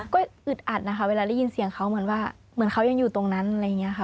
ก็อึดอัดนะคะเวลาได้ยินเสียงเขาเหมือนว่าเหมือนเขายังอยู่ตรงนั้นอะไรอย่างนี้ค่ะ